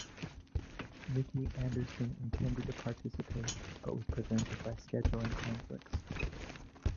Nicke Andersson intended to participate, but was prevented by scheduling conflicts.